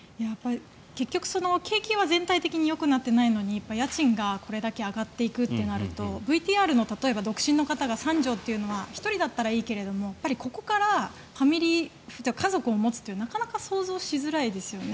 結局、景気は全体的によくなっていないのに家賃がこれだけ上がっていくとなるとＶＴＲの例えば、独身の方が３畳というのは１人だったらいいけどここから家族を持つというのはなかなか想像しづらいですよね。